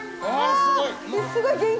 あすごい！